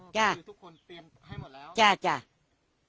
ทุกคนเตรียมให้หมดแล้ว